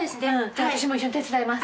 私も一緒に手伝います。